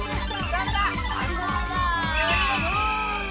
ありがとう！